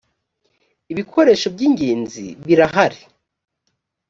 ibikoresho byigenzi birahari.